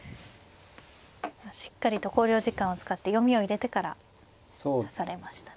しっかりと考慮時間を使って読みを入れてから指されましたね。